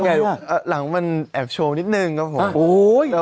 ข้างพี่มองไม่เห็นขอโทษนะคะ